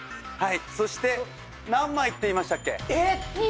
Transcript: そして何枚って言いましたっけ？